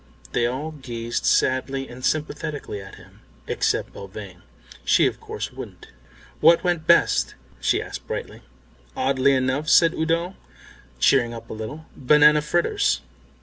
They all gazed sadly and sympathetically at him. Except Belvane. She of course wouldn't. "What went best?" she asked brightly. "Oddly enough," said Udo, cheering up a little, "banana fritters.